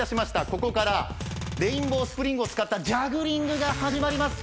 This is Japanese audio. ここからレインボースプリングを使ったジャグリングが始まります。